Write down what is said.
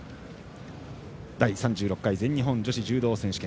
第３６回全日本女子柔道選手権。